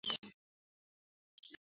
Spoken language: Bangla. চা বানানোর গন্ধ পাচ্ছি।